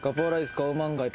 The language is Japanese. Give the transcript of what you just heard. カオマンガイ。